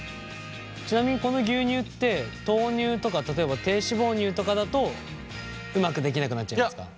ちなみにこの牛乳って豆乳とか例えば低脂肪乳とかだとうまくできなくなっちゃうんですか？